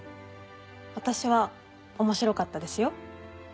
私は面白かったですよ。